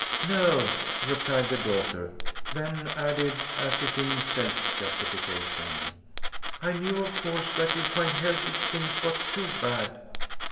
"No," replied the daughter, then added, as if in self justification: "I knew, of course, that you'd find help if things got too bad."